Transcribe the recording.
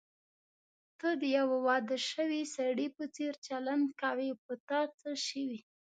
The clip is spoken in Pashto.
ته د یوه واده شوي سړي په څېر چلند کوې، په تا څه شوي؟